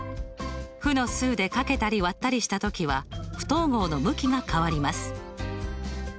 負の数で掛けたり割ったりした時は不等号の向きが変わります。